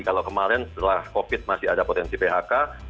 kalau kemarin setelah covid masih ada potensi phk